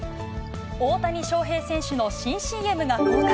大谷翔平選手の新ＣＭが公開。